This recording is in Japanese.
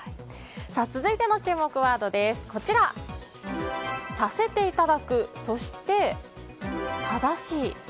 続いての注目ワードはさせていただくそして、正しい？